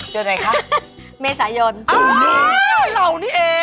เกิดไหนคะเมษายนอ๋อเรานี่เอง